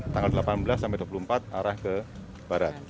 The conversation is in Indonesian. tanggal delapan belas sampai dua puluh empat arah ke barat